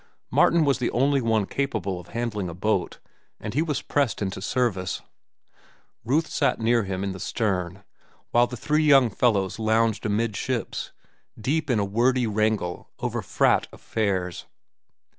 Martin was the only one capable of handling a boat, and he was pressed into service. Ruth sat near him in the stern, while the three young fellows lounged amidships, deep in a wordy wrangle over "frat" affairs.